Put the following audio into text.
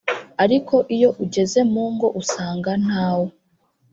ariko iyo ugeze mu ngo usanga ntawo